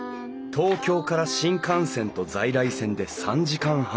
東京から新幹線と在来線で３時間半。